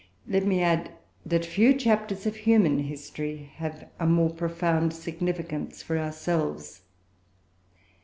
Let me add, that few chapters of human history have a more profound significance for ourselves.